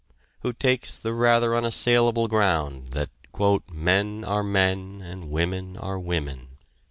Who takes the rather unassailable ground that "men are men and women are women."